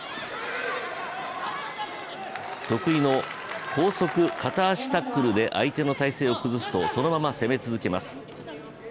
得意の高速片足タックルで相手の体勢を崩すとそのまま攻め続けます。